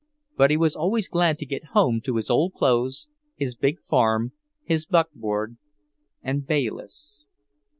But he was always glad to get home to his old clothes, his big farm, his buckboard, and Bayliss.